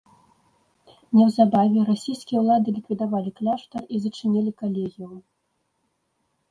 Неўзабаве расійскія ўлады ліквідавалі кляштар і зачынілі калегіум.